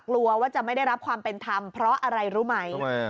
กลัวว่าจะไม่ได้รับความเป็นธรรมเพราะอะไรรู้ไหม